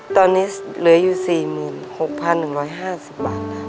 ตอนนี้เหลืออยู่๔๖๑๕๐บาท